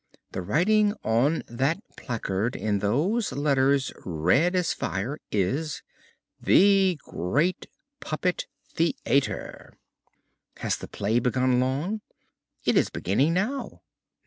The writing on that placard in those letters red as fire is: "THE GREAT PUPPET THEATER." "Has the play begun long?" "It is beginning now."